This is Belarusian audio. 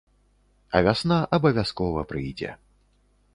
А вясна абавязкова прыйдзе.